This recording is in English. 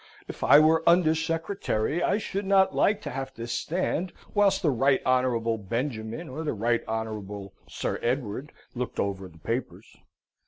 If I were Under Secretary, I should not like to have to stand, whilst the Right Honourable Benjamin or the Right Honourable Sir Edward looked over the papers.